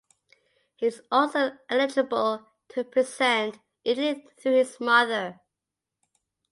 He is also eligible to represent Italy through his mother.